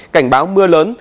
cảnh báo mưa lớn